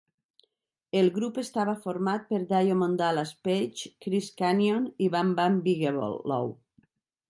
El grup estava format per Diamond Dallas Page, Chris Kanyon i Bam Bam Bigelow.